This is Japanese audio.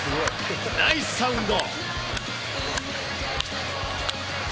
ナイスサウンド。